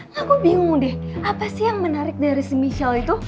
nah gue bingung deh apa sih yang menarik dari si michelle itu